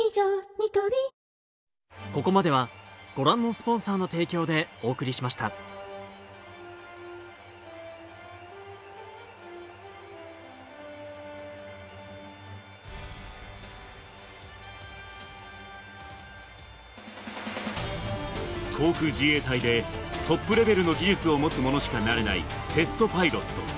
ニトリ航空自衛隊で、トップレベルの技術を持つ者しかなれないテストパイロット。